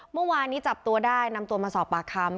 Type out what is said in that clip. เมื่อวานนี้จับตัวได้นำตัวมาสอบปากคำ